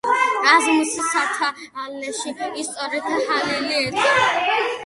რაზმს სათავეში სწორედ ჰალილი ედგა.